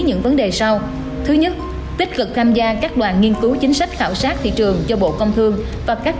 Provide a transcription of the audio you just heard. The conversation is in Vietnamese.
nhất tích cực tham gia các đoàn nghiên cứu chính sách khảo sát thị trường cho bộ công thương và các